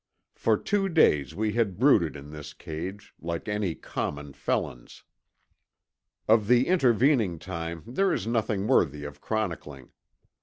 For two days we had brooded in this cage, like any common felons. Of the intervening time there is nothing worthy of chronicling.